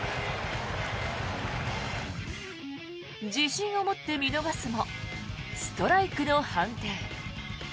自信を持って見逃すもストライクの判定。